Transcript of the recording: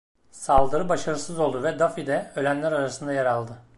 Saldırı başarısız oldu ve Duffy de ölenler arasında yer aldı.